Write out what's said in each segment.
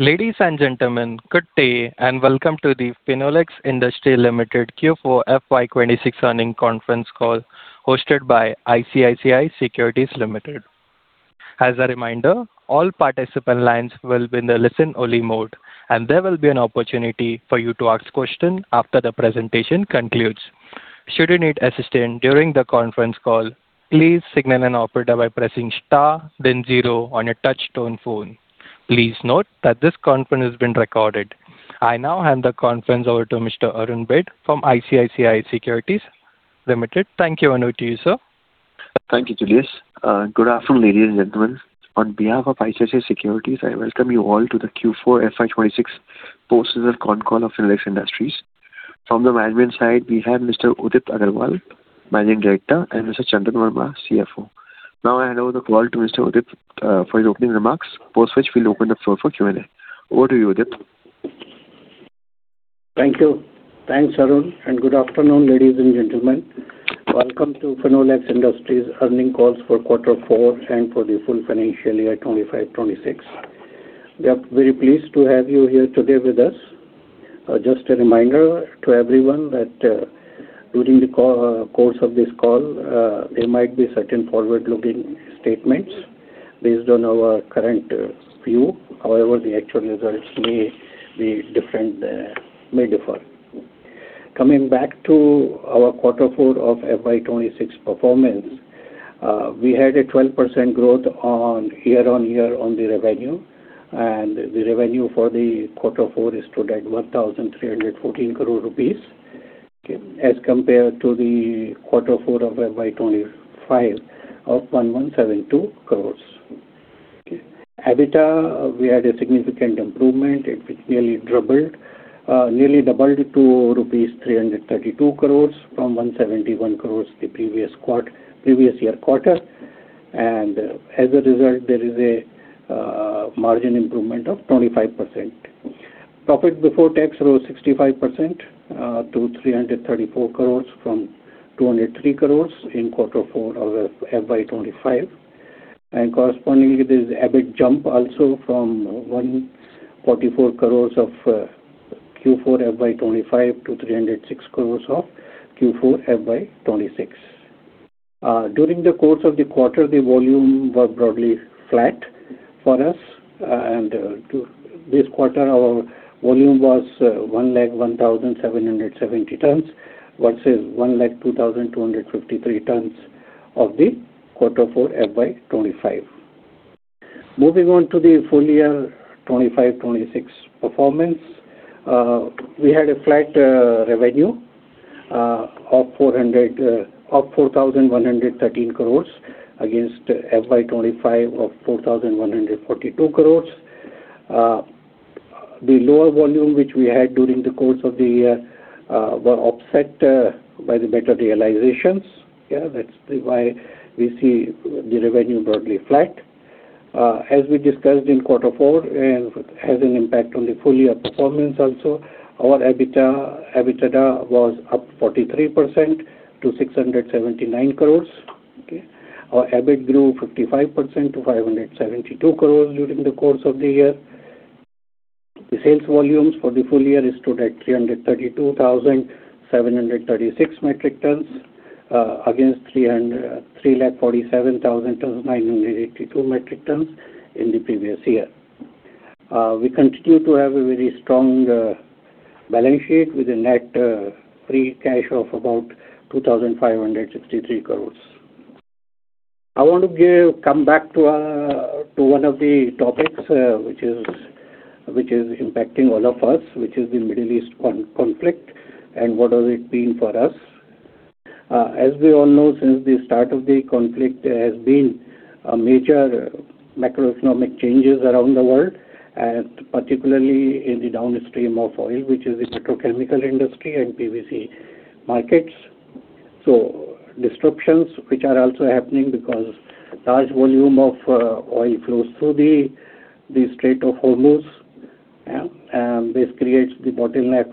Ladies and gentlemen, good day and welcome to the Finolex Industries Limited Q4 FY 2026 Earnings Conference Call hosted by ICICI Securities Limited. As a reminder, all participants lines will be on listen-only mode and there will be an opportunity to ask questions after presentation concludes. Should you need assistance during the conference call, please signal the operator by pressing star the zero on your touch tone phone. Please note that this conference is recorded. I now hand the conference over to Mr. Arun Baid from ICICI Securities Limited. Thank you. Over to you, sir. Thank you, Julius. Good afternoon, ladies and gentlemen. On behalf of ICICI Securities, I welcome you all to the Q4 FY 2026 post-results con call of Finolex Industries. From the management side, we have Mr. Udipt Agarwal, Managing Director, and Mr. Chandan Verma, CFO. Now I hand over the call to Mr. Udipt for his opening remarks, post which we'll open the floor for Q&A. Over to you, Udipt. Thank you. Thanks, Arun. Good afternoon, ladies and gentlemen. Welcome to Finolex Industries' earnings call for quarter four and for the full financial year FY 2025/2026. We are very pleased to have you here today with us. Just a reminder to everyone that during the course of this call, there might be certain forward-looking statements based on our current view. However, the actual results may differ. Coming back to our quarter four of FY 2026 performance, we had a 12% growth on year-on-year on the revenue. The revenue for the quarter four stood at 1,314 crore rupees, as compared to the quarter four of FY 2025 of 1,172 crore. EBITDA, we had a significant improvement. It nearly doubled to rupees 332 crore from 171 crore the previous year quarter, and as a result, there is a margin improvement of 25%. Profit before tax rose 65% to 334 crore from 203 crore in quarter four of FY 2025. Correspondingly, there's EBIT jump also from 144 crore of Q4 FY 2025 to 306 crore of Q4 FY 2026. During the course of the quarter, the volume was broadly flat for us, and this quarter, our volume was 101,770 tons versus 102,253 tons of the quarter four FY 2025. Moving on to the full year 2025/2026 performance. We had a flat revenue of 4,113 crore against FY 2025 of 4,142 crore. The lower volume, which we had during the course of the year, were offset by the better realizations. Yeah, that's why we see the revenue broadly flat. As we discussed in quarter four, and has an impact on the full year performance also, our EBITDA was up 43% to 679 crore. Okay. Our EBIT grew 55% to 572 crore during the course of the year. The sales volumes for the full year stood at 332,736 metric tons, against 347,982 metric tons in the previous year. We continue to have a very strong balance sheet with a net free cash of about 2,563 crores. I want to come back to one of the topics which is impacting all of us, which is the Middle East conflict and what has it been for us. As we all know, since the start of the conflict, there has been major macroeconomic changes around the world, particularly in the downstream of oil, which is the petrochemical industry and PVC markets. Disruptions, which are also happening because large volume of oil flows through the Strait of Hormuz. This creates the bottleneck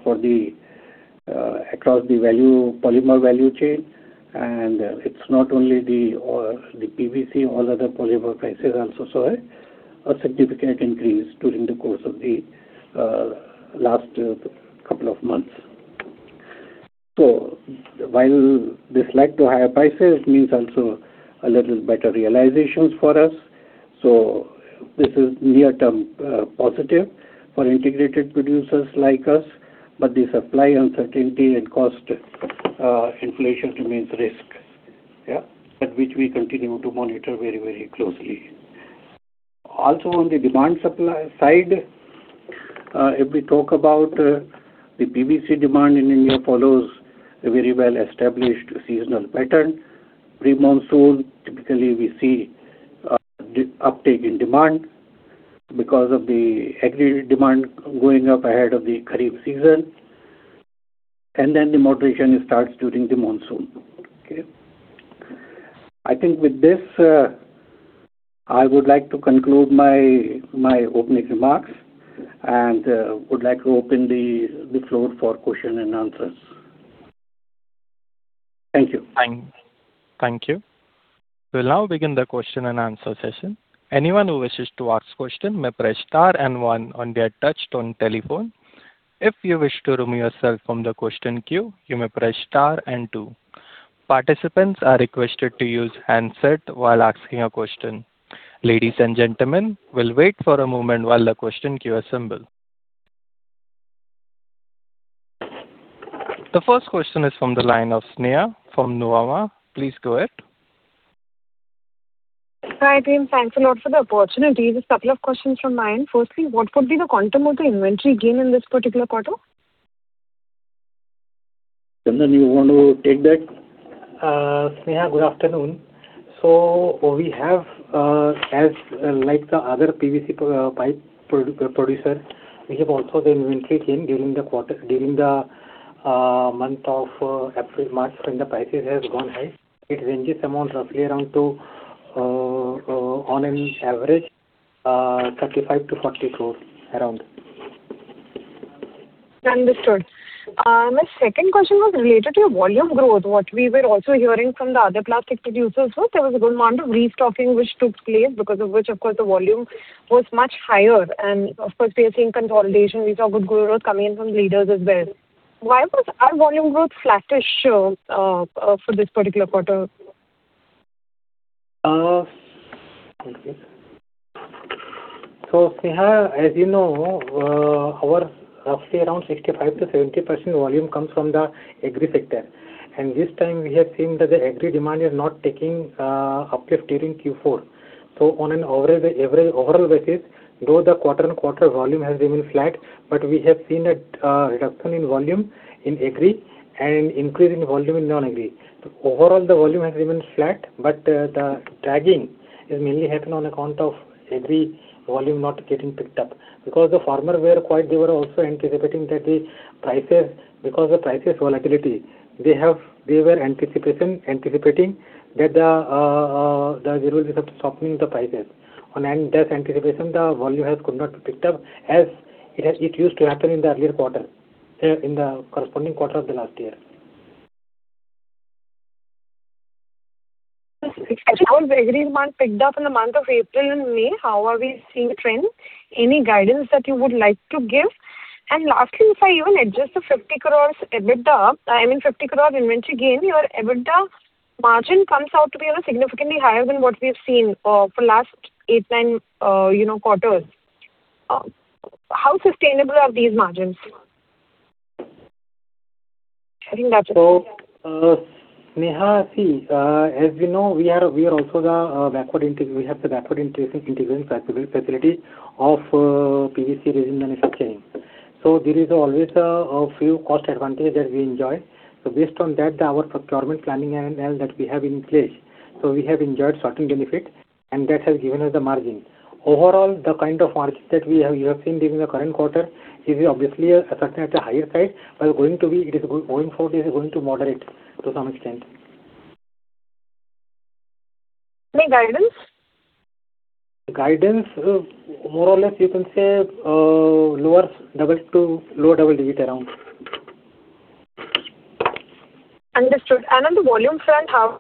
across the polymer value chain. It's not only the oil, the PVC, all other polymer prices also saw a significant increase during the course of the last couple of months. While this led to higher prices, it means also a little better realizations for us. This is near-term positive for integrated producers like us, but the supply uncertainty and cost inflation remains risk. Yeah. Which we continue to monitor very closely. Also, on the demand supply side, if we talk about the PVC demand in India follows a very well-established seasonal pattern. Pre-monsoon, typically we see uptake in demand because of the agri demand going up ahead of the kharif season. Then the moderation starts during the monsoon. Okay. I think with this, I would like to conclude my opening remarks and would like to open the floor for question and answers. Thank you. Thank you. We'll now begin the question and answer session. Anyone who wishes to ask questions may press star and one on their touchtone telephone. If you wish to remove yourself from the question queue, you may press star and two. Participants are requested to use handset while asking a question. Ladies and gentlemen, we will wait for a moment while the question queue assembles. The first question is from the line of Sneha from Nuvama. Please go ahead. Hi, team. Thanks a lot for the opportunity. Just a couple of questions from my end. Firstly, what would be the quantum of the inventory gain in this particular quarter? Chandan, you want to take that? Sneha, good afternoon. We have like the other PVC pipe producer, we have also the inventory change during the month of April, March, when the prices has gone high. It ranges roughly around to, on an average, 35 crore-40 crore, around. Understood. My second question was related to your volume growth. What we were also hearing from the other plastic producers was there was a good amount of restocking which took place, because of which, of course, the volume was much higher. Of course, we are seeing consolidation. We saw good growth coming in from leaders as well. Why was our volume growth flattish for this particular quarter? Sneha, as you know, roughly around 65%-70% volume comes from the agri sector. This time we have seen that the agri demand is not taking uplift during Q4. On an overall basis, though the quarter-on-quarter volume has remained flat, but we have seen a reduction in volume in agri and increase in volume in non-agri. Overall, the volume has remained flat, but the dragging is mainly happening on account of agri volume not getting picked up. Because the farmer were also anticipating that because the prices volatility, they were anticipating that there will be some softening of the prices. On that anticipation, the volume could not be picked up as it used to happen in the earlier quarter, in the corresponding quarter of the last year. Actually, how was agri demand picked up in the month of April and May? How are we seeing the trend? Any guidance that you would like to give? Lastly, if I even adjust the 50 crore inventory gain, your EBITDA margin comes out to be significantly higher than what we've seen for last eight, nine quarters. How sustainable are these margins? I think that's it. Sneha, see, as you know, we have the backward integration facility of PVC resin manufacturing. There is always a few cost advantage that we enjoy. Based on that, our procurement planning and that we have in place. We have enjoyed certain benefit and that has given us the margin. Overall, the kind of margin that we have seen during the current quarter is obviously such at the higher side, but going forward, it is going to moderate to some extent. Any guidance? Guidance, more or less you can say lower double digit around. Understood. On the volume front, how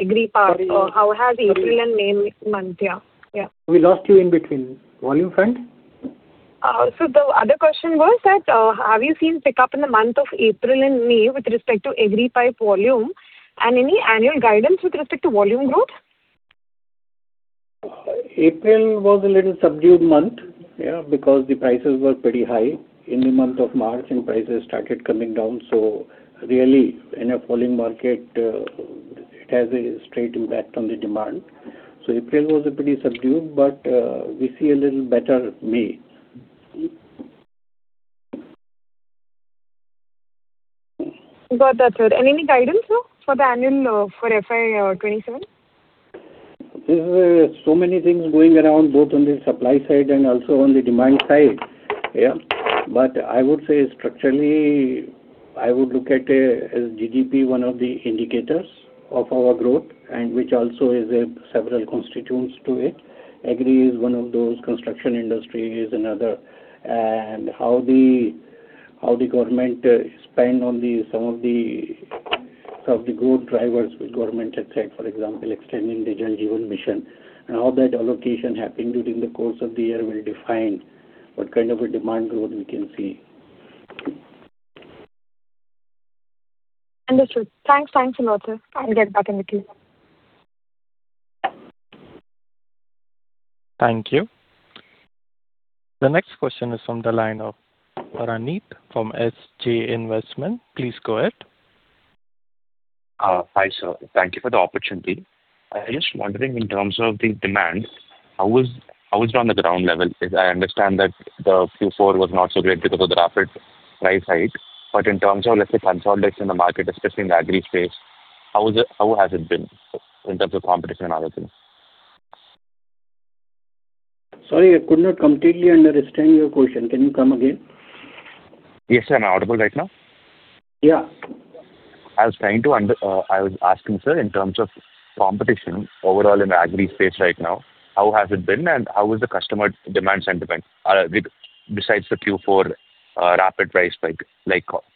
agri part has April and May month, yeah. We lost you in between. Volume front? The other question was that, have you seen pickup in the month of April and May with respect to agri pipe volume and any annual guidance with respect to volume growth? April was a little subdued month because the prices were pretty high in the month of March and prices started coming down. Really, in a falling market, it has a straight impact on the demand. April was a pretty subdued, but we see a little better May. Got that, sir. Any guidance for the annual for FY 2027? There's so many things going around, both on the supply side and also on the demand side. I would say structurally, I would look at as GDP one of the indicators of our growth and which also has several constituents to it. Agri is one of those, construction industry is another. How the government spend on some of the growth drivers which government had said, for example, extending the Jal Jeevan Mission, and how that allocation happened during the course of the year will define what kind of a demand growth we can see. Understood. Thanks a lot, sir. I'll get back in the queue. Thank you. The next question is from the line of Praneet from SJ Investment. Please go ahead. Hi, sir. Thank you for the opportunity. I was just wondering in terms of the demands, how is it on the ground level? I understand that the Q4 was not so great because of the rapid price hike. In terms of, let's say, consolidation in the market, especially in the agri space, how has it been in terms of competition and other things? Sorry, I could not completely understand your question. Can you come again? Yes, sir. Am I audible right now? Yeah. I was asking, sir, in terms of competition overall in the agri space right now, how has it been, and how is the customer demand sentiment besides the Q4 rapid price spike?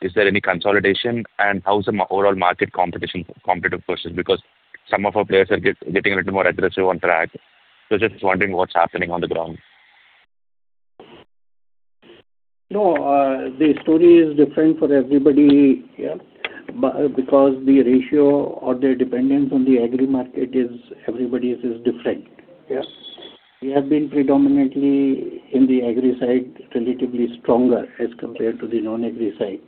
Is there any consolidation, and how's the overall market competitive position? Some of our players are getting a little more aggressive on price. Just wondering what's happening on the ground. No, the story is different for everybody here because the ratio or the dependence on the agri market is, everybody's is different. Yes. We have been predominantly in the agri side, relatively stronger as compared to the non-agri side.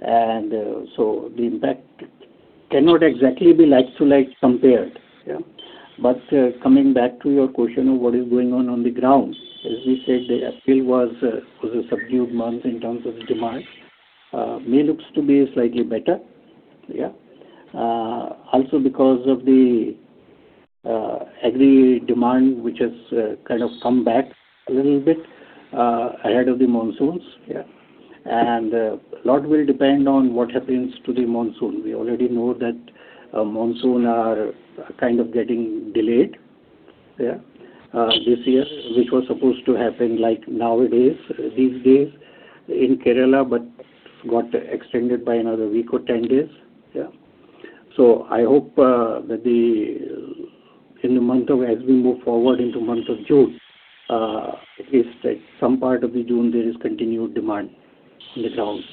The impact cannot exactly be like to like compared. Yeah. Coming back to your question of what is going on on the ground, as we said, April was a subdued month in terms of demand. May looks to be slightly better. Yeah. Because of the agri demand, which has kind of come back a little bit ahead of the monsoons. Yeah. A lot will depend on what happens to the monsoon. We already know that monsoon are kind of getting delayed this year, which was supposed to happen like nowadays, these days in Kerala, but got extended by another week or 10 days. Yeah. I hope that as we move forward into month of June, at least at some part of the June, there is continued demand on the ground.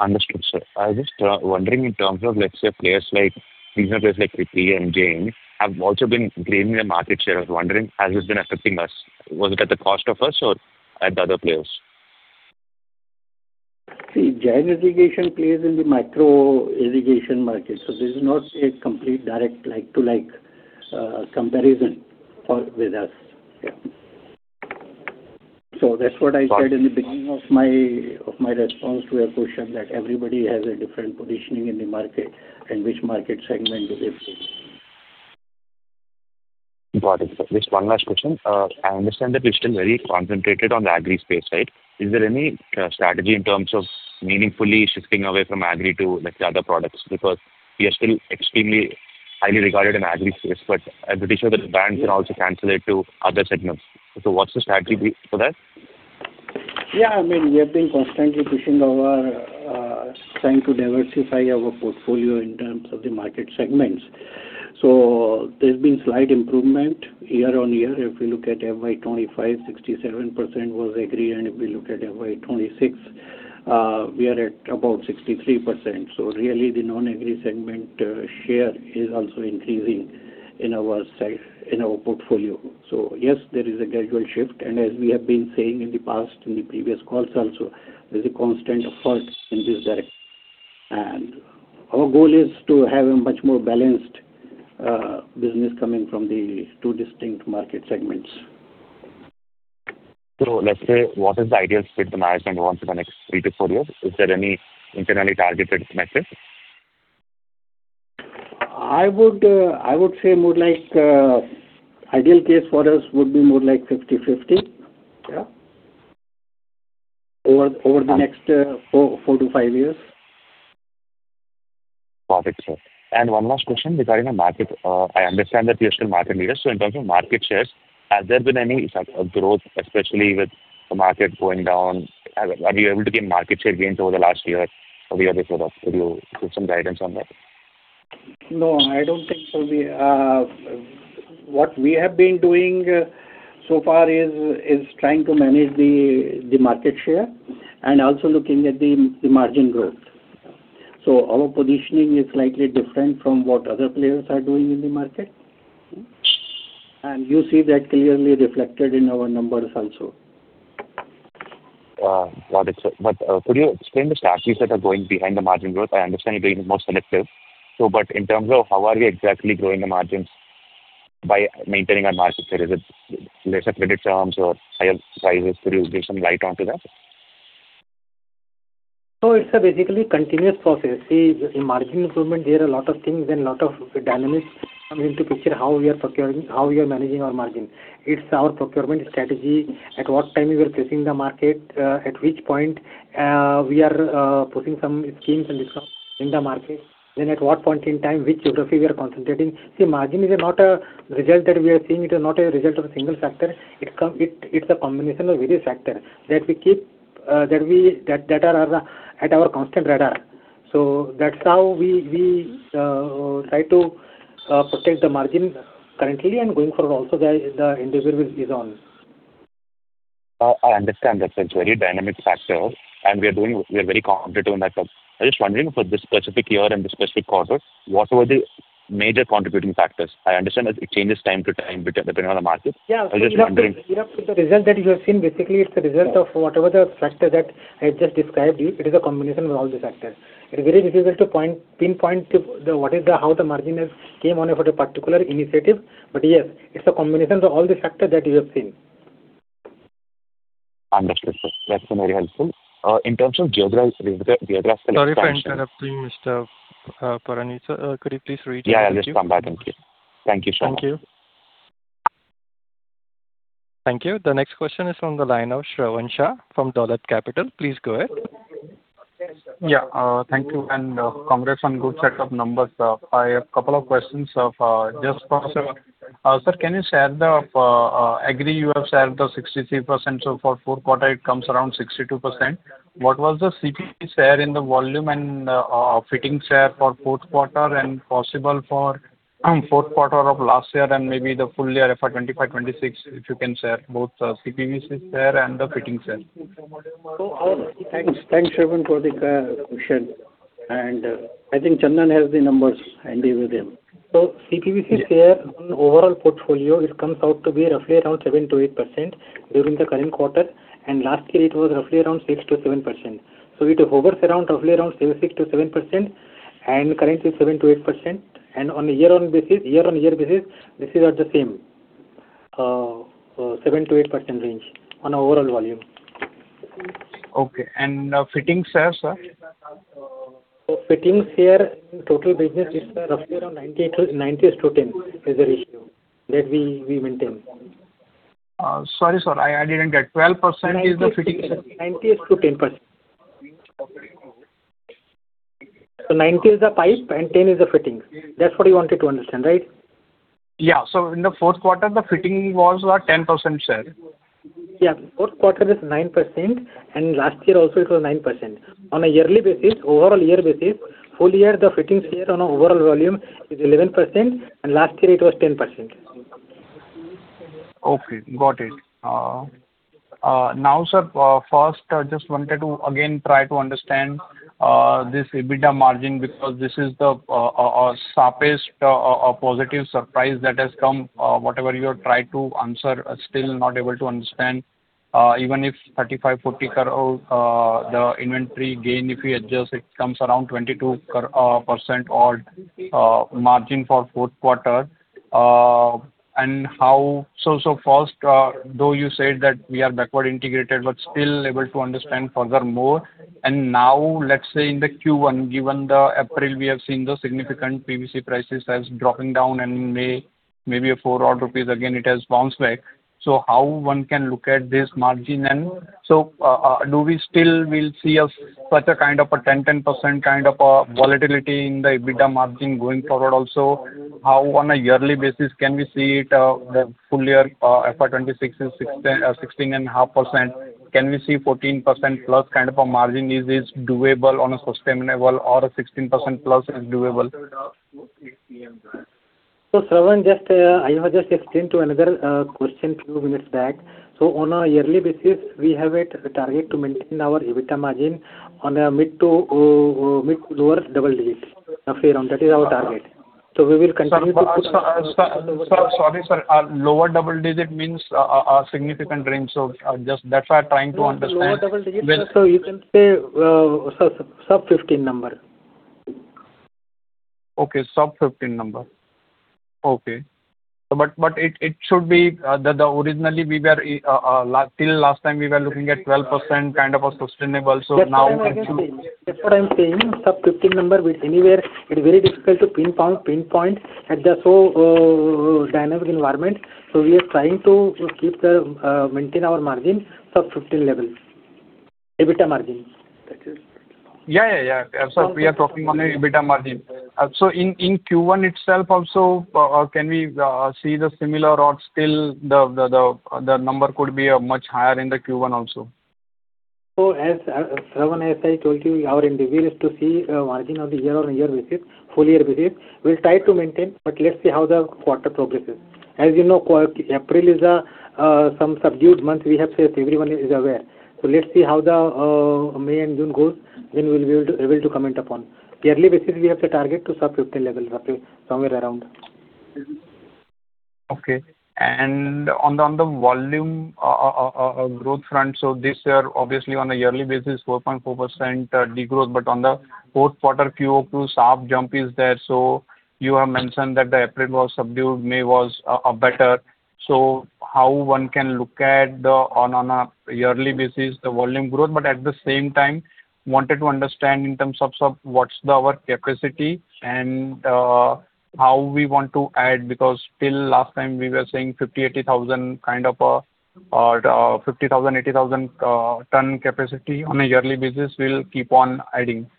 Understood, sir. I was just wondering in terms of, let's say, players like, regional players like [Repon and Jain] have also been gaining a market share. I was wondering, has this been affecting us? Was it at the cost of us or at the other players? Jain Irrigation plays in the micro-irrigation market. This is not a complete direct like-to-like comparison with us. Yeah. That's what I said in the beginning of my response to your question, that everybody has a different positioning in the market and which market segment they serve. Got it. Just one last question. I understand that we're still very concentrated on the agri space, right? Is there any strategy in terms of meaningfully shifting away from agri to the other products? Because we are still extremely highly regarded in agri space, but as a ratio, the banks can also classify it to other segments. What's the strategy for that? We have been constantly pushing our trying to diversify our portfolio in terms of the market segments. There's been slight improvement year-on-year. If we look at FY 2025, 67% was agri, and if we look at FY 2026, we are at about 63%. Really the non-agri segment share is also increasing in our portfolio. Yes, there is a gradual shift, and as we have been saying in the past, in the previous calls also, there's a constant effort in this direction. Our goal is to have a much more balanced business coming from the two distinct market segments. Let's say, what is the ideal split the management wants in the next three to four years? Is there any internally targeted metric? I would say more like ideal case for us would be more like 50/50. Yeah. Over the next four to five years. Got it, sir. One last question regarding the market. I understand that you're still market leaders, in terms of market shares, has there been any growth, especially with the market going down? Have you able to gain market share gains over the last year or the year before that? Could you give some guidance on that? No, I don't think so. What we have been doing so far is trying to manage the market share and also looking at the margin growth. Our positioning is slightly different from what other players are doing in the market. You see that clearly reflected in our numbers also. Got it, sir. Could you explain the strategies that are going behind the margin growth? I understand you're being more selective. In terms of how are you exactly growing the margins by maintaining a market share? Is it lesser credit terms or higher prices? Could you give some light onto that? It's a basically continuous process. See, in margin improvement, there are a lot of things and lot of dynamics come into picture how we are managing our margin. It's our procurement strategy, at what time we are facing the market, at which point we are putting some schemes and discounts in the market, then at what point in time, which geography we are concentrating. See, margin is not a result that we are seeing, it is not a result of a single factor. It's a combination of various factors that are at our constant radar. That's how we try to protect the margin currently and going forward also the endeavor is on. I understand that sir. It's very dynamic factor and we are very competitive on that front. I'm just wondering for this specific year and this specific quarter, what were the major contributing factors? I understand that it changes time to time depending on the market. I'm just wondering. Yeah. The result that you have seen, basically, it's a result of whatever the factor that I just described you. It is a combination of all the factors. It's very difficult to pinpoint how the margin has came on for a particular initiative. Yes, it's a combination of all the factors that you have seen. Understood, sir. That's very helpful. In terms of geographical expansion- Sorry for interrupting, Mr. Praneet. Sir, could you please repeat? Yeah, I'll just come back. Thank you. Thank you. Thank you. The next question is from the line of Shravan Shah from Dolat Capital. Please go ahead. Thank you. Congrats on good set of numbers. I have a couple of questions. Agri you have shared the 63%. For fourth quarter it comes around 62%. What was the CPVC share in the volume and fittings share for fourth quarter and possible for fourth quarter of last year and maybe the full year for FY 2025-2026, if you can share both CPVC share and the fittings share. Thanks, Shravan, for the question. I think Chandan has the numbers. Hand it over to him. CPVC share on overall portfolio, it comes out to be roughly around 7%-8% during the current quarter, and last year it was roughly around 6%-7%. It hovers roughly around 6%-7%, and currently 7%-8%. On a year-on-year basis, this is at the same, 7%-8% range on overall volume. Okay. fittings share, sir? Fittings share in total business is roughly around 9% to 10% as a ratio that we maintain. Sorry, sir, I didn't get. 12% is the fittings share? 9% to 10%. 9% is the pipe and 10% is the fittings. That's what you wanted to understand, right? Yeah. In the fourth quarter, the fitting was what, 10% share? Yeah. Fourth quarter is 9%, and last year also it was 9%. On a yearly basis, overall year basis, full year, the fittings share on an overall volume is 11%, and last year it was 10%. Okay, got it. Sir, first, just wanted to again try to understand this EBITDA margin, because this is the sharpest positive surprise that has come. Whatever you have tried to answer, still not able to understand. Even if 35 crore, 40 crore, the inventory gain, if you adjust, it comes around 22% odd margin for fourth quarter. First, though you said that we are backward integrated, but still able to understand further more. Now let's say in the Q1, given the April, we have seen the significant PVC prices as dropping down and in May, maybe 4 rupees odd again it has bounced back. How one can look at this margin then? Do we still will see such a kind of a 10% kind of a volatility in the EBITDA margin going forward also? How on a yearly basis can we see it, the full year for 2026 is 16.5%. Can we see 14%+ kind of a margin? Is this doable on a sustainable or a 16%+ is doable? Shravan, I was just explaining to another question a few minutes back. On a yearly basis, we have a target to maintain our EBITDA margin on a mid to lower double digit, roughly around. That is our target. We will continue to- Sorry, sir. Lower double digit means a significant range. Just that's why trying to understand. Lower double digit, you can say sub 15 number. Okay, sub 15 number. Okay. It should be, till last time we were looking at 12% kind of a sustainable. That's what I'm saying. Sub 15 number with anywhere, it's very difficult to pinpoint at the slow dynamic environment. We are trying to maintain our margin sub 15 level. EBITDA margin. Yeah. We are talking on a EBITDA margin. In Q1 itself also, can we see the similar or still the number could be much higher in the Q1 also? Shravan, as I told you, our endeavor is to see a margin on a year-over-year basis, full year basis. We'll try to maintain, but let's see how the quarter progresses. As you know, April is some subdued month we have faced, everyone is aware. Let's see how the May and June goes, then we'll be able to comment upon. Yearly basis, we have a target to sub 15% level, roughly somewhere around. Okay. On the volume growth front, this year, obviously on a yearly basis, 4.4% degrowth. On the fourth quarter QO2, sharp jump is there. You have mentioned that the April was subdued, May was better. How one can look at, on a yearly basis, the volume growth? At the same time, wanted to understand in terms of what's our capacity and how we want to add, because till last time we were saying 50,000, 80,000 ton capacity on a yearly basis, we'll keep on adding.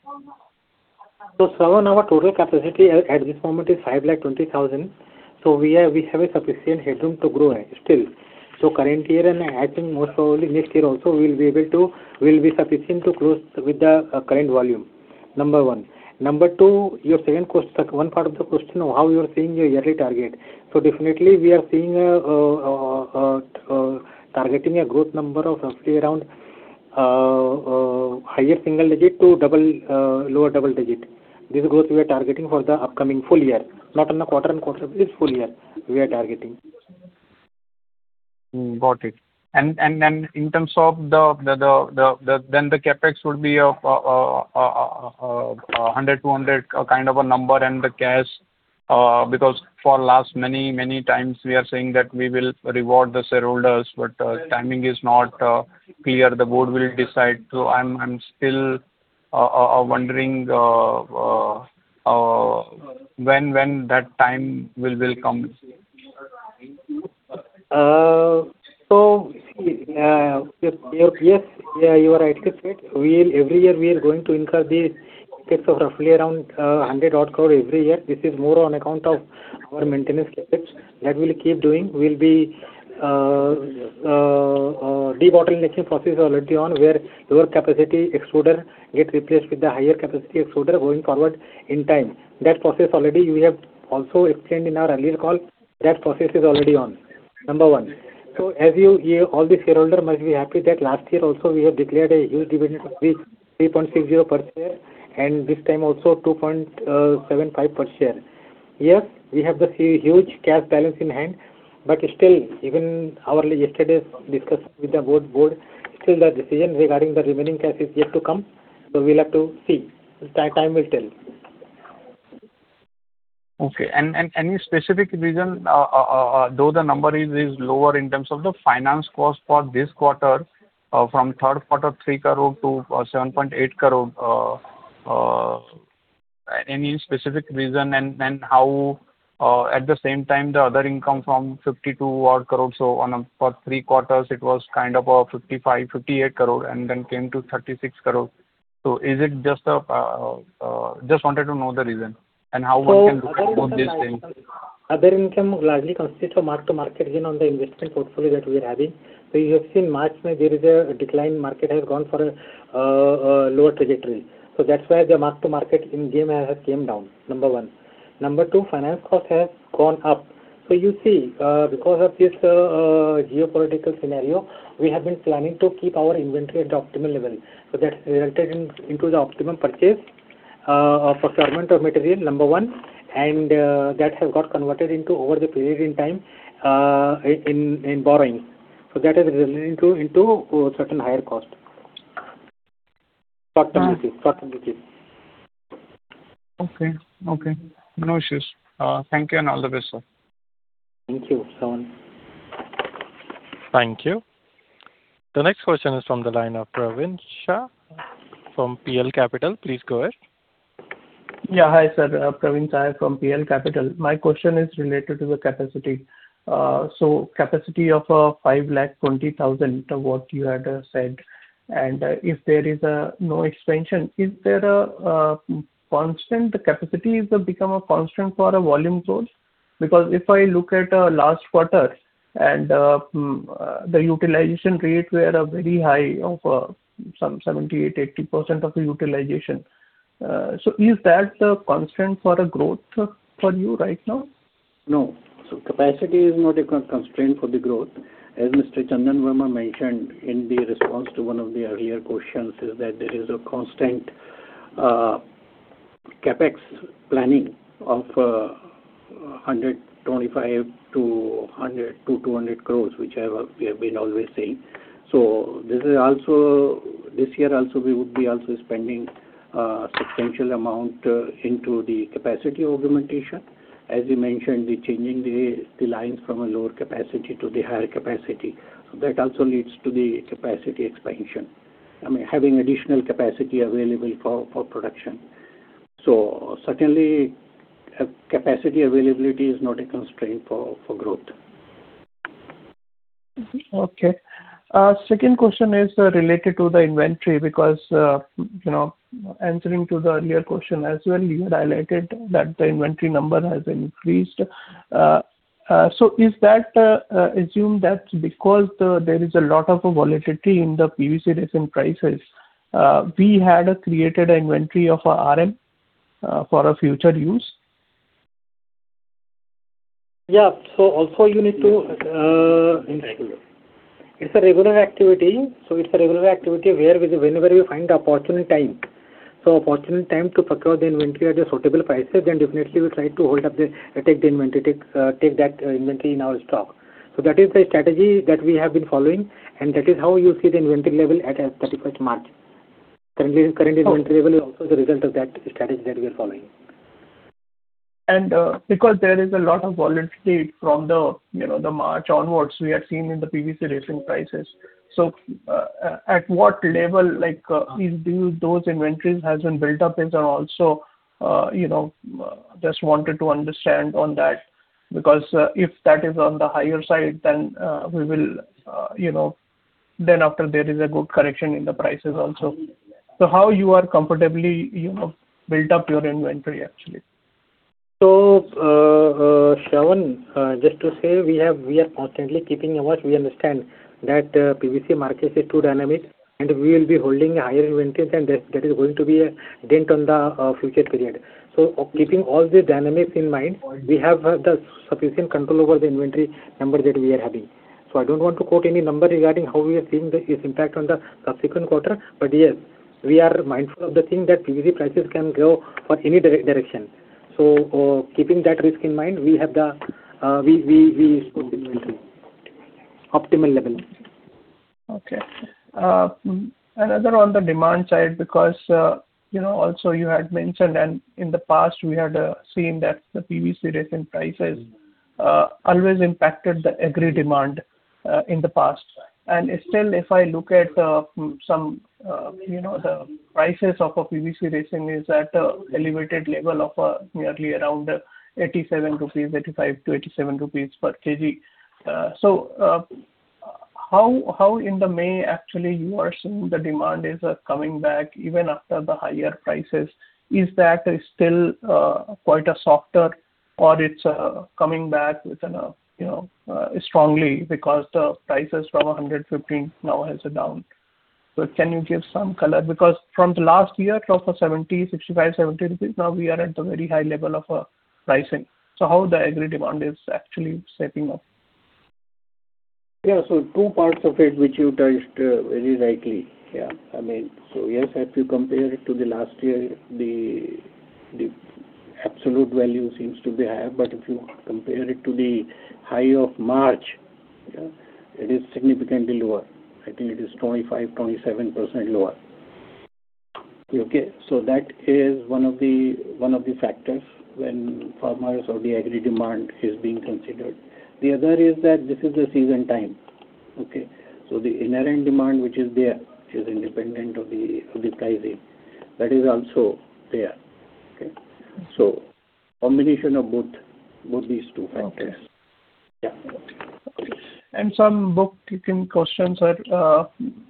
Shravan, our total capacity at this moment is 520,000. We have a sufficient headroom to grow still. Current year and I think most probably next year also, we'll be sufficient to close with the current volume, number one. Number two, your second part of the question of how you are seeing your yearly target. Definitely we are targeting a growth number of roughly around highest single digit to lower double digit. This growth we are targeting for the upcoming full year. Not on a quarter-on-quarter basis, full year we are targeting. Got it. In terms of the CapEx will be of 100, 200 kind of a number and the cash, because for last many times, we are saying that we will reward the shareholders, timing is not clear. The board will decide. I'm still wondering when that time will come. Yes, you are right. Every year we are going to incur the CapEx of roughly around 100 crore every year. This is more on account of our maintenance CapEx that we'll keep doing. We'll be Debottlenecking process is already on, where lower capacity extruder gets replaced with the higher capacity extruder going forward in time. That process already we have also explained in our earlier call. That process is already on. Number one. All the shareholders must be happy that last year also we have declared a huge dividend of 3.60 per share, and this time also 2.75 per share. Yes, we have the huge cash balance in hand, still, even yesterday's discussion with the board, still the decision regarding the remaining cash is yet to come, we'll have to see. Time will tell. Okay. Any specific reason, though the number is lower in terms of the finance cost for this quarter, from third quarter 3 crore to 7.8 crore. Any specific reason, and how at the same time the other income from 52 crore. For three quarters, it was kind of 55, 58 crore and then came to 36 crore. Just wanted to know the reason, and how one can put these things. Other income largely consists of mark-to-market gain on the investment portfolio that we are having. You have seen March there is a decline, market has gone for a lower trajectory. That's why the mark-to-market income has come down. Number one. Number two, finance cost has gone up. You see, because of this geopolitical scenario, we have been planning to keep our inventory at optimal level. That resulted into the optimum purchase of procurement of material, number one, and that has got converted into over the period in time in borrowings. That is resulting into certain higher cost. Partly. Okay. No issues. Thank you and all the best, sir. Thank you, Shravan. Thank you. The next question is from the line of Praveen Sahay from PL Capital. Please go ahead. Hi, sir. Praveen Sahay from PL Capital. My question is related to the capacity. Capacity of 520,000 what you had said, and if there is no expansion, is there a constant capacity? Is that become a constant for a volume growth? If I look at last quarter and the utilization rates were very high of some 78%-80% of the utilization. Is that a constant for a growth for you right now? No. Capacity is not a constraint for the growth. As Mr. Chandan Verma mentioned in the response to one of the earlier questions is that there is a constant capex planning of 125 crore-200 crore, which we have been always saying. This year we would be spending a substantial amount into the capacity augmentation. As we mentioned, the changing the lines from a lower capacity to the higher capacity. That also leads to the capacity expansion. I mean, having additional capacity available for production. Certainly, capacity availability is not a constraint for growth. Second question is related to the inventory because, answering to the earlier question as well, you had highlighted that the inventory number has increased. Assume that because there is a lot of volatility in the PVC resin prices, we had created inventory of RM for future use. Yeah. It's a regular activity where whenever we find the opportune time to procure the inventory at suitable prices, then definitely we try to take that inventory in our stock. That is the strategy that we have been following, and that is how you see the inventory level at 31st March. Currently the inventory level is also the result of that strategy that we are following. Because there is a lot of volatility from March onwards, we are seeing in the PVC resin prices. At what level those inventories has been built up. Just wanted to understand on that, because if that is on the higher side, then after there is a good correction in the prices also. How you are comfortably built up your inventory, actually. Shravan, just to say we are constantly keeping a watch. We understand that PVC market is too dynamic, and we will be holding higher inventories and that is going to be a dent on the future period. Keeping all the dynamics in mind, we have the sufficient control over the inventory number that we are having. I don't want to quote any number regarding how we are seeing its impact on the subsequent quarter. Yes, we are mindful of the thing that PVC prices can go for any direction. Keeping that risk in mind, we spoke inventory, optimal level. Okay. Another on the demand side, also you had mentioned and in the past we had seen that the PVC resin prices always impacted the agri demand in the past. Still, if I look at some, the prices of a PVC resin is at an elevated level of nearly around 87 rupees, 85-87 rupees per kg. How in May actually you are seeing the demand is coming back even after the higher prices? Is that still quite softer or it's coming back strongly because the prices from 115 now has down. Can you give some color? From the last year it was 65, 70 rupees, now we are at the very high level of pricing. How the agri demand is actually shaping up? Yeah. Two parts of it which you touched very rightly. Yes, if you compare it to the last year, the absolute value seems to be high, but if you compare it to the high of March, it is significantly lower. I think it is 25%, 27% lower. Okay. That is one of the factors when farmers or the agri demand is being considered. The other is that this is the season time. Okay. The inherent demand which is there, which is independent of the pricing, that is also there. Okay. Combination of both these two factors. Okay. Yeah. Some book kicking questions are,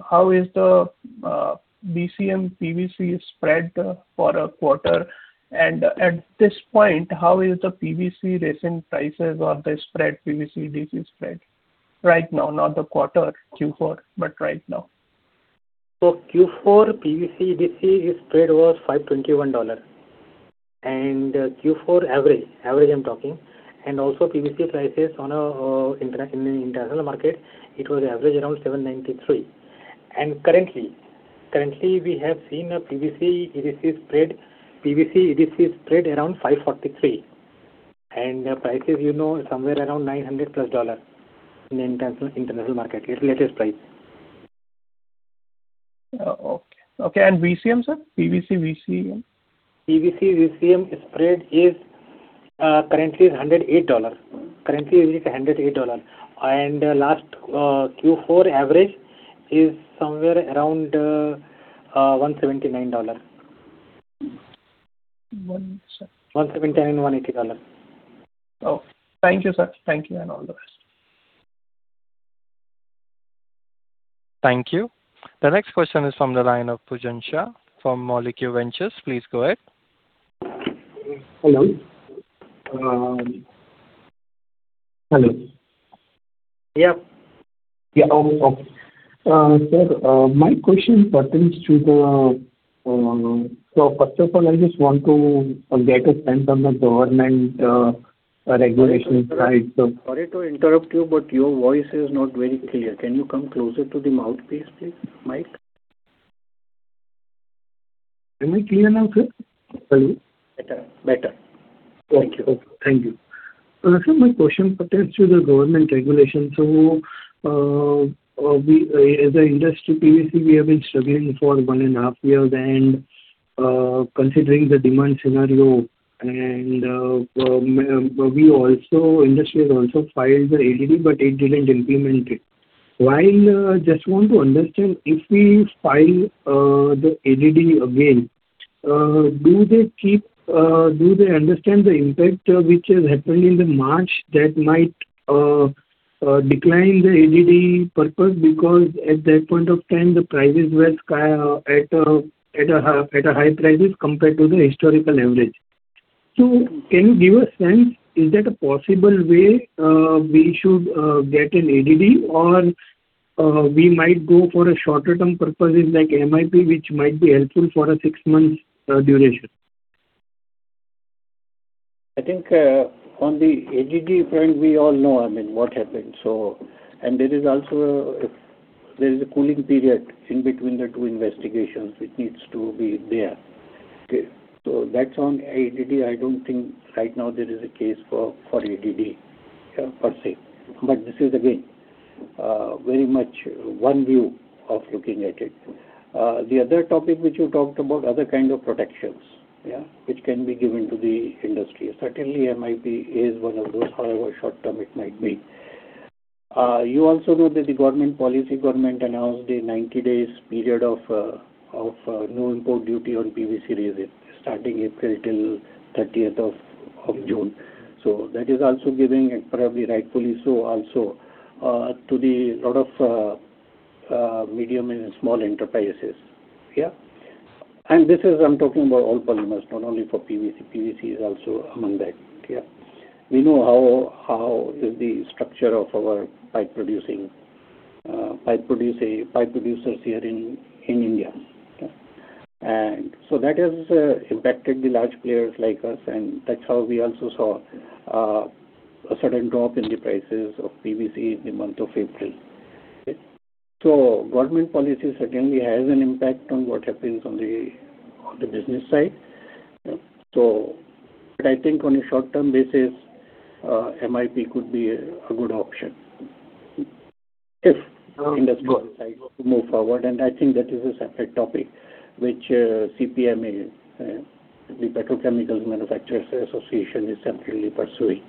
how is the VCM PVC spread for a quarter? At this point, how is the PVC resin prices or the spread, PVC EDC spread right now? Not the quarter Q4, but right now. Q4 PVC EDC spread was $521. Q4 average I am talking, and also PVC prices in the international market, it was average around $793. Currently, we have seen a PVC EDC spread around $543, and prices somewhere around $900+ in the international market, ex-works price. Okay. VCM, sir? PVC VCM. PVC VCM spread currently is $108. Last Q4 average is somewhere around $179. One, sir? 179, INR 180. Okay. Thank you, sir. Thank you, and all the best. Thank you. The next question is from the line of Pujan Shah from Molecule Ventures. Please go ahead. Hello. Hello. Yeah. Yeah. Okay. Sir, my question pertains to the first of all, I just want to get a sense on the government regulation side- Sorry to interrupt you, but your voice is not very clear. Can you come closer to the mouthpiece, please? Mic. Am I clear now, sir? Hello. Better. Okay. Thank you. Sir, my question pertains to the government regulation. As an industry, previously we have been struggling for one and a half years, and considering the demand scenario, and industry has also filed the ADD but it didn't implement it. While I just want to understand, if we file the ADD again, do they understand the impact which has happened in the March that might decline the ADD purpose, because at that point of time, the prices were at high prices compared to the historical average. Can you give a sense, is that a possible way we should get an ADD, or we might go for a shorter term purposes like MIP, which might be helpful for a six months duration? I think on the ADD front, we all know what happened. There is a cooling period in between the two investigations which needs to be there. Okay? That's on ADD. I don't think right now there is a case for ADD per se. This is again very much one view of looking at it. The other topic which you talked about, other kind of protections which can be given to the industry, certainly MIP is one of those, however short term it might be. You also know that the policy government announced a 90 days period of no import duty on PVC resin starting April till 30th of June. That is also giving, and probably rightfully so also, to the lot of medium and small enterprises. Yeah? I'm talking about all polymers, not only for PVC. PVC is also among that. We know how is the structure of our pipe producers here in India. That has impacted the large players like us, and that is how we also saw a certain drop in the prices of PVC in the month of April. Government policy certainly has an impact on what happens on the business side. I think on a short-term basis, MIP could be a good option. If industry decides to move forward, and I think that is a separate topic which CPMA, the Petrochemical Manufacturers' Association, is separately pursuing.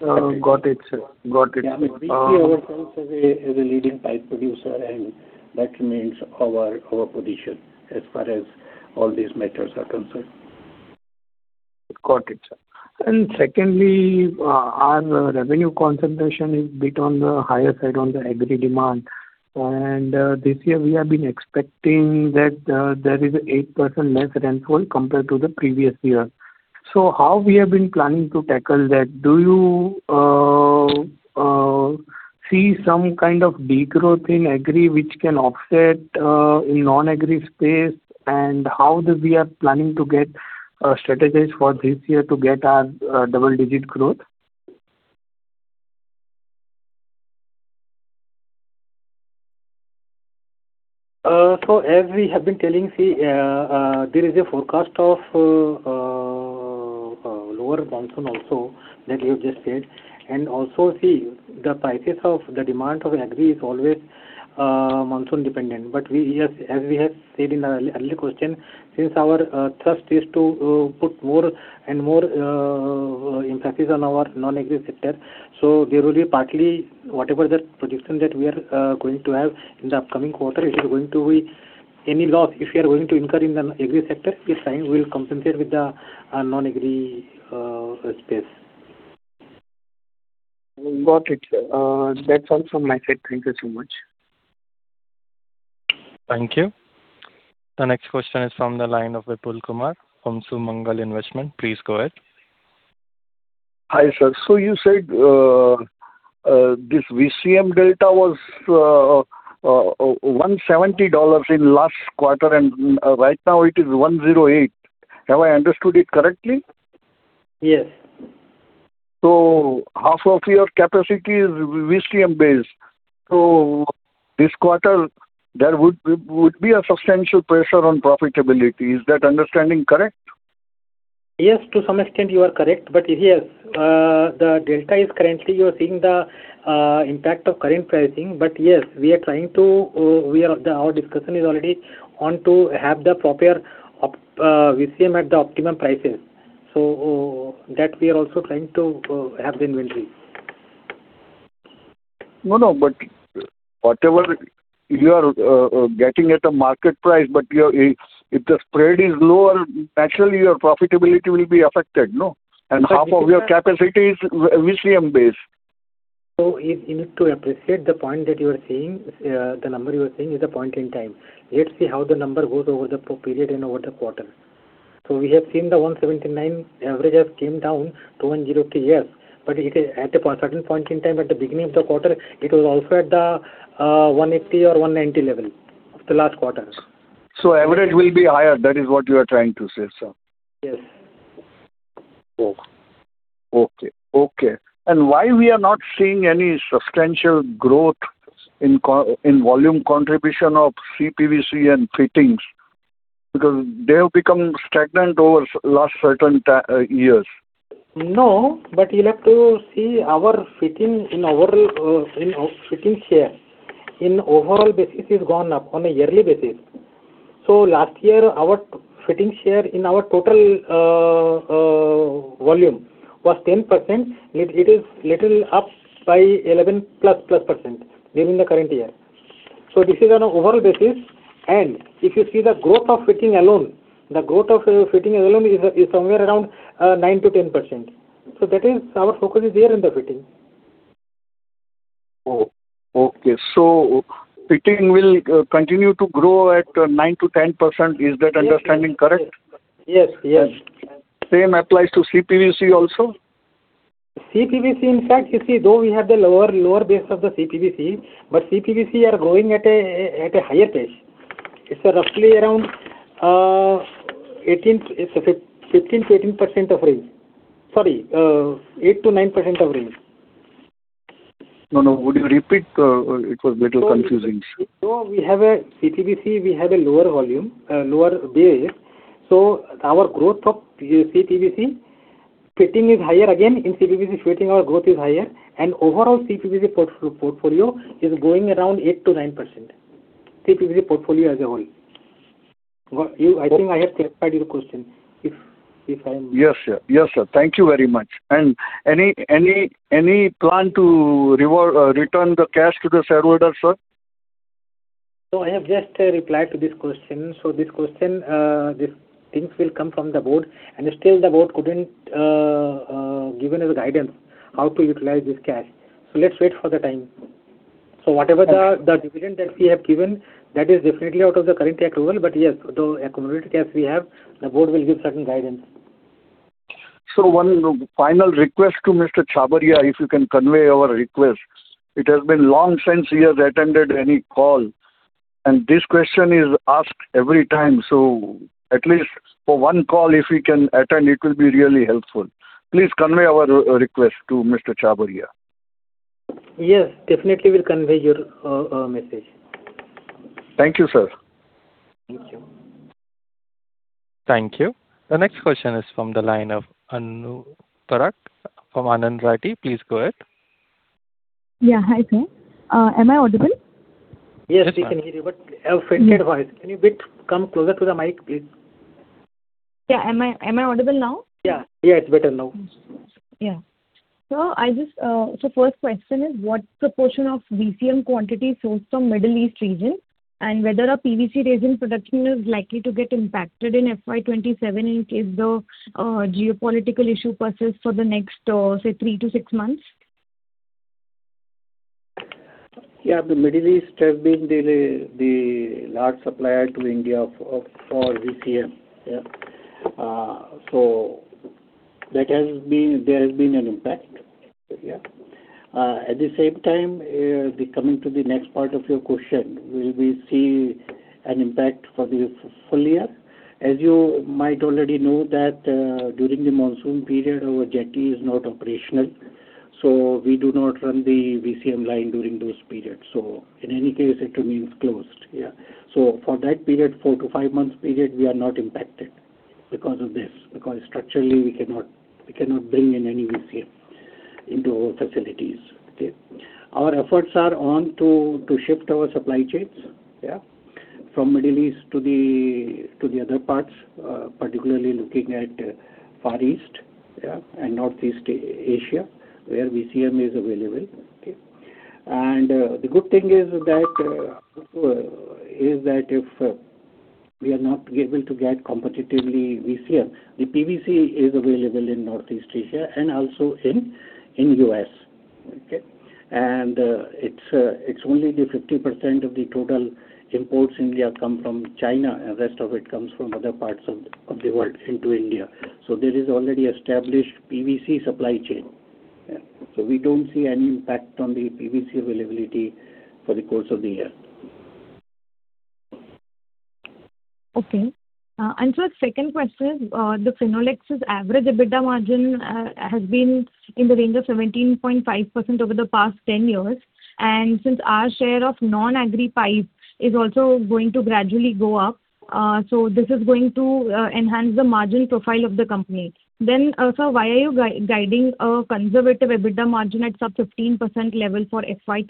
Yeah. Got it, sir. [We see ourselves], as a leading pipe producer, and that remains our core position as far as all these matters are concerned. Got it, sir. Secondly, our revenue concentration is a bit on the higher side on the agri demand. This year we have been expecting that there is 8% less rainfall compared to the previous year. How we have been planning to tackle that? Do you see some kind of degrowth in agri, which can offset in non-agri space? How we are planning to strategize for this year to get our double-digit growth? As we have been telling, there is a forecast of lower monsoon also that you have just said. Also, the prices of the demand of agri is always monsoon dependent. As we have said in the earlier question, since our thrust is to put more and more emphasis on our non-agri sector, so there will be partly whatever the projection that we are going to have in the upcoming quarter, any loss if we are going to incur in the agri sector, it's fine. We'll compensate with the non-agri space. Got it, sir. That's all from my side. Thank you so much. Thank you. The next question is from the line of Vipulkumar Shah from Sumangal Investment. Please go ahead. Hi, sir. You said this VCM delta was $170 in last quarter, and right now it is $108. Have I understood it correctly? Yes. Half of your capacity is VCM based. This quarter, there would be a substantial pressure on profitability. Is that understanding correct? Yes, to some extent you are correct. Yes, the delta is currently, you are seeing the impact of current pricing. Yes, our discussion is already on to have the proper VCM at the optimum prices. That we are also trying to have the inventory. No, but whatever you are getting at a market price, but if the spread is lower, naturally your profitability will be affected, no? Half of your capacity is VCM based. You need to appreciate the point that you are seeing, the number you are seeing is a point in time. Let's see how the number goes over the period and over the quarter. Yes. At a certain point in time, at the beginning of the quarter, it was also at the 180 or 190 level of the last quarter. Average will be higher. That is what you are trying to say, sir? Yes. Oh, okay. Why we are not seeing any substantial growth in volume contribution of CPVC and fittings? They have become stagnant over last certain years. You'll have to see our fitting share in overall basis is gone up on a yearly basis. Last year, our fitting share in our total volume was 10%, it is little up by 11%+ during the current year. This is on overall basis. If you see the growth of fitting alone, the growth of fitting alone is somewhere around 9%-10%. That is our focus is there in the fitting. Okay. Fitting will continue to grow at 9%-10%, is that understanding correct? Yes. Same applies to CPVC also? CPVC, in fact, you see, though we have the lower base of the CPVC, but CPVC are growing at a higher pace. It's roughly around 15%-18% of range. Sorry, 8%-9% of range. No. Would you repeat? It was little confusing. We have a CPVC, we have a lower volume, lower base. Our growth of CPVC fitting is higher again in CPVC fitting, our growth is higher, and overall CPVC portfolio is growing around 8%-9%, CPVC portfolio as a whole. I think I have clarified your question. Yes, sir. Thank you very much. Any plan to return the cash to the shareholder, sir? I have just replied to this question. This question, these things will come from the board, and still the board couldn't give any guidance how to utilize this cash. Let's wait for the time. Okay. Dividend that we have given, that is definitely out of the current accrual. Yes, the accumulated cash we have, the board will give certain guidance. One final request to Mr. Chhabria, if you can convey our request. It has been long since he has attended any call, and this question is asked every time. At least for one call, if he can attend, it will be really helpful. Please convey our request to Mr. Chhabria. Yes, definitely we'll convey your message. Thank you, sir. Thank you. Thank you. The next question is from the line of Anuj Trak from Anand Rathi. Please go ahead. Yeah. Hi, sir. Am I audible? Yes, we can hear you, but a faded voice. Can you come closer to the mic, please? Yeah. Am I audible now? Yeah. It's better now. Yeah. First question is, what proportion of VCM quantity sourced from Middle East region, and whether our PVC resin production is likely to get impacted in FY 2027 in case the geopolitical issue persists for the next, say, three to six months? The Middle East has been the large supplier to India for VCM. There has been an impact. At the same time, coming to the next part of your question, will we see an impact for the full year? As you might already know that, during the monsoon period, our jetty is not operational, so we do not run the VCM line during those periods. In any case, it remains closed. For that four to five months period, we are not impacted because of this, because structurally we cannot bring in any VCM into our facilities. Okay. Our efforts are on to shift our supply chains from Middle East to the other parts, particularly looking at Far East and Northeast Asia where VCM is available. Okay. The good thing is that if we are not able to get competitively VCM, the PVC is available in Northeast Asia and also in U.S. Okay. It's only the 50% of the total imports India come from China, and rest of it comes from other parts of the world into India. There is already established PVC supply chain. Yeah. We don't see any impact on the PVC availability for the course of the year. Okay. Sir, second question is, the Finolex's average EBITDA margin has been in the range of 17.5% over the past 10 years. Since our share of non-agri pipe is also going to gradually go up, this is going to enhance the margin profile of the company. Sir, why are you guiding a conservative EBITDA margin at sub 15% level for FY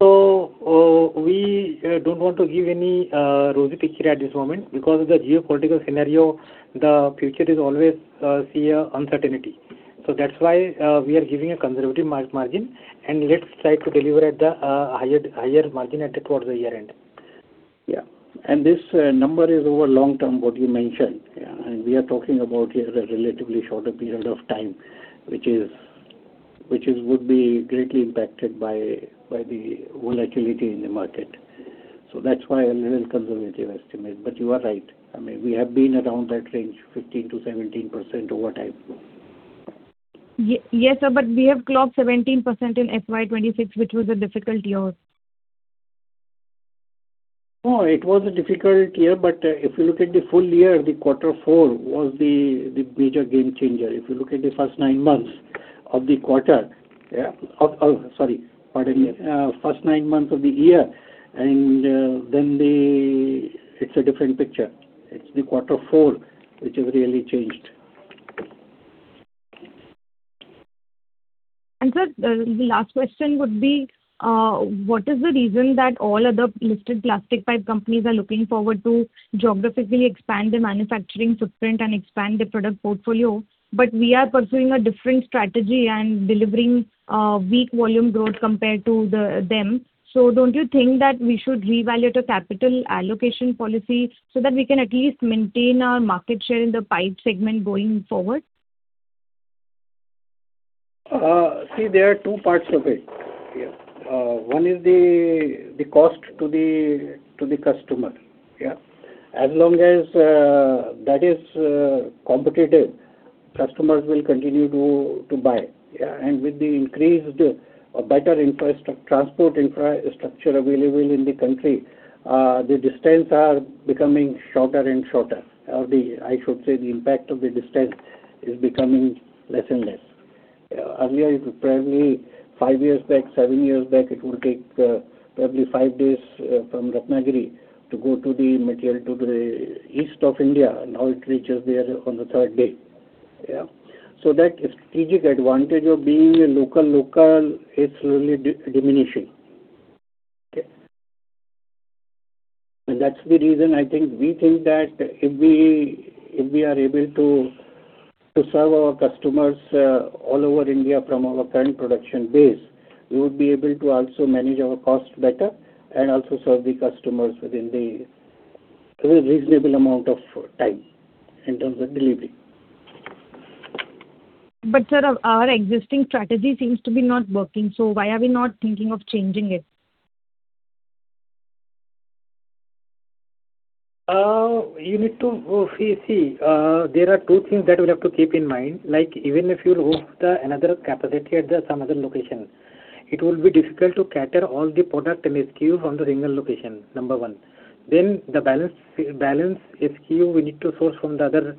2027? We don't want to give any rosy picture at this moment because of the geopolitical scenario, the future is always uncertainty. That's why we are giving a conservative margin, and let's try to deliver at the higher margin at towards the year-end. Yeah. This number is over long term, what you mentioned. Yeah. We are talking about here a relatively shorter period of time, which would be greatly impacted by the volatility in the market. That's why a little conservative estimate. You are right. I mean, we have been around that range, 15%-17% over time. Yes, sir, we have clocked 17% in FY 2026, which was a difficult year. No, it was a difficult year. If you look at the full year, the quarter four was the major game changer. If you look at the first nine months of the quarter, Oh, sorry. Pardon me. First nine months of the year, then it's a different picture. It's the quarter four, which has really changed. Sir, the last question would be, what is the reason that all other listed plastic pipe companies are looking forward to geographically expand their manufacturing footprint and expand their product portfolio, but we are pursuing a different strategy and delivering weak volume growth compared to them? Don't you think that we should reevaluate a capital allocation policy so that we can at least maintain our market share in the pipe segment going forward? See, there are two parts of it. Yeah. One is the cost to the customer. Yeah. As long as that is competitive, customers will continue to buy. Yeah. With the increased or better transport infrastructure available in the country, the distance are becoming shorter and shorter. I should say the impact of the distance is becoming less and less. Earlier, probably five years back, seven years back, it would take probably five days from Ratnagiri to go to the material to the east of India. Now it reaches there on the third day. Yeah. That strategic advantage of being a local is slowly diminishing. Okay. That's the reason we think that if we are able to serve our customers all over India from our current production base, we would be able to also manage our cost better and also serve the customers within a reasonable amount of time in terms of delivery. Sir, our existing strategy seems to be not working, so why are we not thinking of changing it? You need to see, there are two things that we have to keep in mind. Even if you move another capacity at some other location, it will be difficult to cater all the product and SKU from the single location. Number one. The balance SKU, we need to source from the other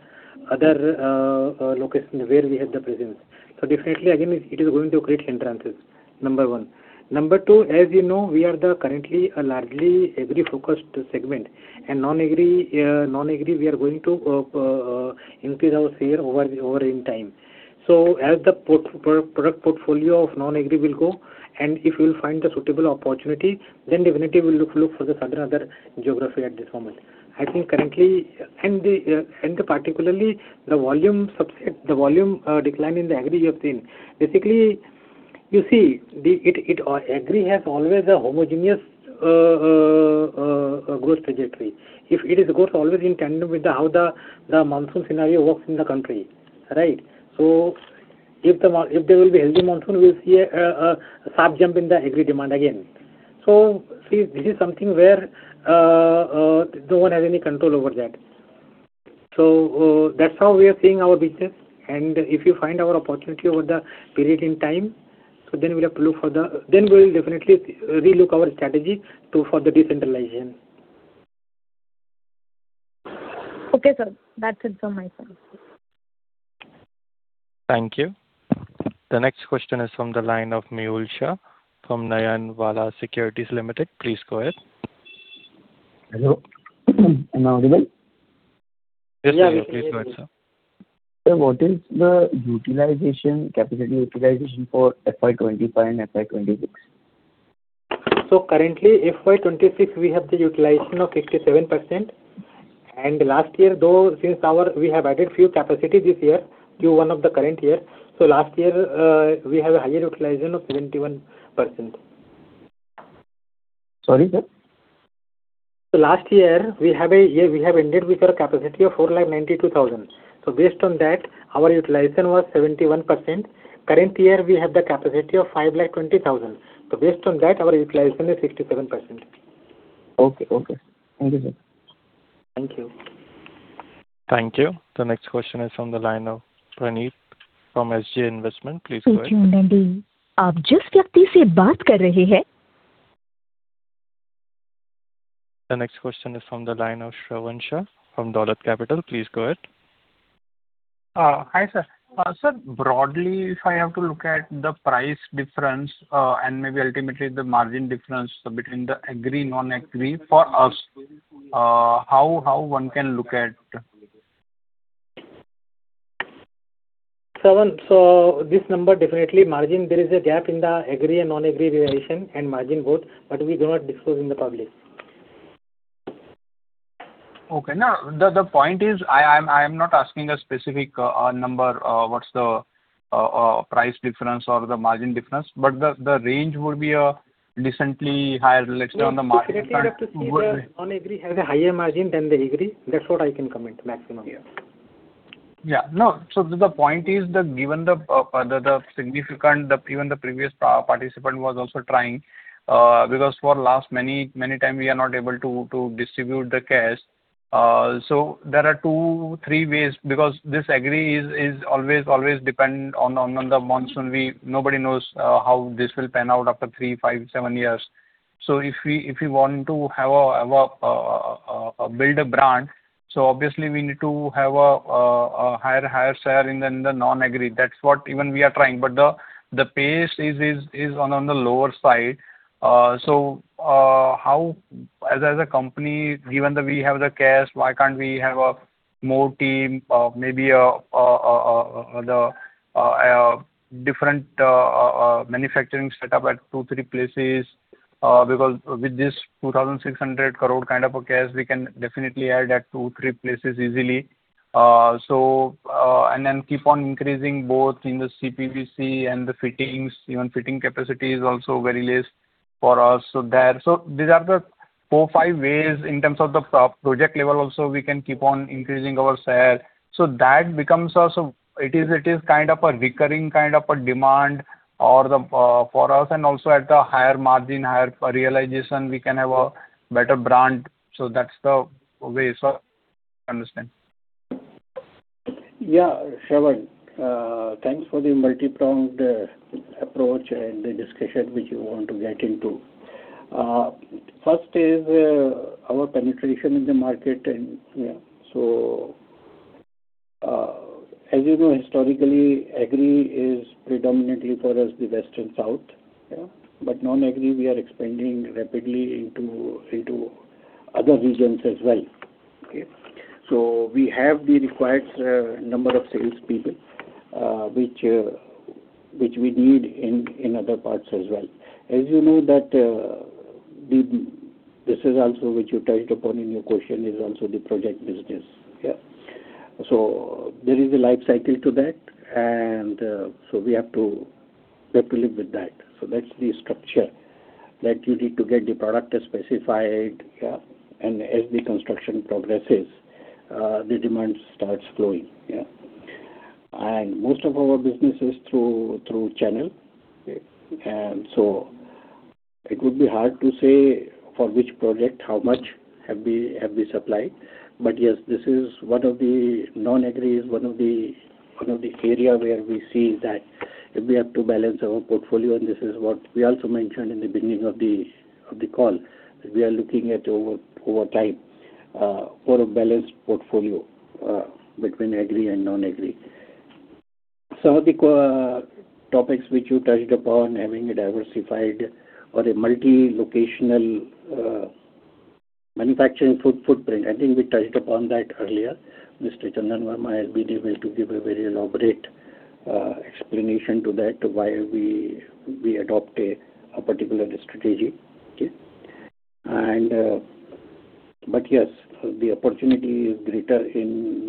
location where we have the presence. Definitely, again, it is going to create hindrances. Number one. Number two, as you know, we are currently a largely agri-focused segment and non-agri, we are going to increase our share over in time. As the product portfolio of non-agri will go, and if we will find the suitable opportunity, then definitely we'll look for the certain other geography at this moment. Particularly, the volume decline in the agri you have seen. Basically, you see, agri has always a homogeneous growth trajectory. It grows always in tandem with how the monsoon scenario works in the country. Right? If there will be healthy monsoon, we'll see a sharp jump in the agri demand again. See, this is something where no one has any control over that. That's how we are seeing our business, and if you find our opportunity over the period in time, then we'll definitely re-look our strategy for the decentralization. Okay, sir. That's it from my side. Thank you. The next question is from the line of Mehul Shah from Nayan Vala Securities Limited. Please go ahead. Hello? Am I audible? Yes. Please go ahead, sir. Sir, what is the capacity utilization for FY 2025 and FY 2026? Currently, FY 2026, we have the utilization of 67%. Last year, though, since we have added few capacity this year, Q1 of the current year, so last year we have a higher utilization of 71%. Sorry, sir? Last year, we have ended with our capacity of 4,92,000. Based on that, our utilization was 71%. Current year, we have the capacity of 520,000. Based on that, our utilization is 67%. Okay. Thank you, sir. Thank you. Thank you. The next question is from the line of Praneet from SJ Investment. Please go ahead. The next question is from the line of Shravan Shah from Dolat Capital. Please go ahead. Hi, sir. Sir, broadly, if I have to look at the price difference, and maybe ultimately the margin difference between the agri, non-agri for us, how one can look at? Shravan, this number definitely margin, there is a gap in the agri and non-agri realization and margin both, but we do not disclose in the public. Okay. No, the point is, I am not asking a specific number, what's the price difference or the margin difference, but the range would be decently higher than the margin. No. Definitely you have to see the non-agri has a higher margin than the agri. That is what I can comment maximum here. The point is that given the significant, even the previous participant was also trying, because for last many time, we are not able to distribute the cash. There are two, three ways because this agri is always dependent on the monsoon. Nobody knows how this will pan out after three, five, seven years. If we want to build a brand, so obviously we need to have a higher share in the non-agri. That's what even we are trying. The pace is on the lower side. As a company, given that we have the cash, why can't we have a more team, maybe a different manufacturing set up at two, three places? With this 2,600 crore kind of a cash, we can definitely add at two, three places easily. Keep on increasing both in the CPVC and the fittings. Even fitting capacity is also very less for us. These are the four, five ways in terms of the project level also, we can keep on increasing our share. It is kind of a recurring kind of a demand for us, and also at a higher margin, higher realization, we can have a better brand. That's the way, sir. Understand. Yeah, Shravan. Thanks for the multi-pronged approach and the discussion which you want to get into. First is our penetration in the market. As you know, historically, agri is predominantly for us, the West and South. Yeah. Non-agri, we are expanding rapidly into other regions as well. Okay. We have the required number of salespeople which we need in other parts as well. As you know that, this is also which you touched upon in your question, is also the project business. Yeah. There is a life cycle to that. We have to live with that. That's the structure that you need to get the product specified, yeah, and as the construction progresses the demand starts flowing. Yeah. Most of our business is through channel. Okay. It would be hard to say for which project, how much have we supplied. Yes, non-agri is one of the area where we see that we have to balance our portfolio, and this is what we also mentioned in the beginning of the call, that we are looking at over time for a balanced portfolio between agri and non-agri. Some of the topics which you touched upon, having a diversified or a multi-locational manufacturing footprint, I think we touched upon that earlier. Mr. Chandan Verma has been able to give a very elaborate explanation to that, why we adopt a particular strategy. Okay. Yes, the opportunity is greater in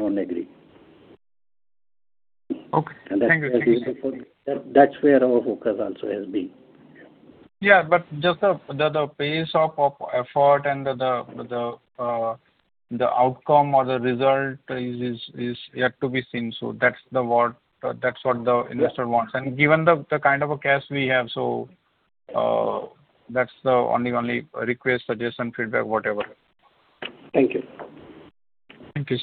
non-agri. Okay. Thank you. That's where our focus also has been. Yeah, just the pace of effort and the outcome or the result is yet to be seen. That's what the investor wants. Given the kind of a cash we have, that's the only request, suggestion, feedback, whatever. Thank you. Thank you.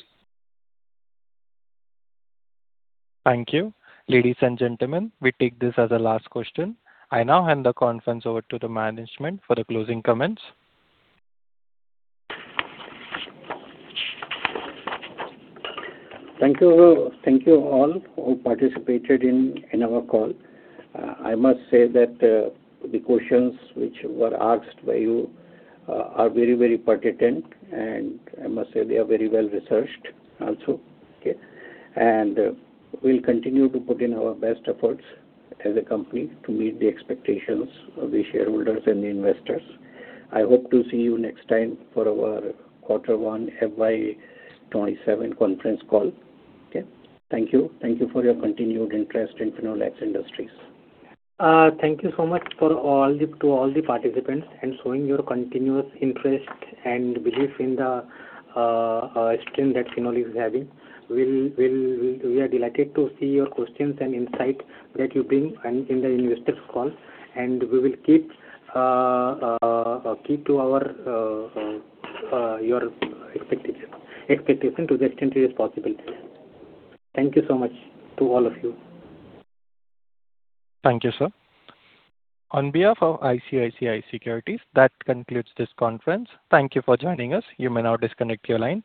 Thank you. Ladies and gentlemen, we take this as the last question. I now hand the conference over to the management for the closing comments. Thank you all who participated in our call. I must say that the questions which were asked by you are very pertinent, and I must say, they are very well-researched also. Okay. We'll continue to put in our best efforts as a company to meet the expectations of the shareholders and the investors. I hope to see you next time for our Quarter one FY 2027 conference call. Okay. Thank you. Thank you for your continued interest in Finolex Industries. Thank you so much to all the participants, and showing your continuous interest and belief in the [team] that Finolex is having. We are delighted to see your questions and insight that you bring in the investors call, and we will keep to your expectation to the extent it is possible. Thank you so much to all of you. Thank you, sir. On behalf of ICICI Securities, that concludes this conference. Thank you for joining us. You may now disconnect your lines.